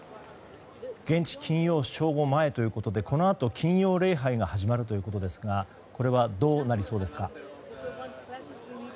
現地金曜正午前ということでこのあと金曜礼拝が始まるということですがこれは、どうなりそうですか？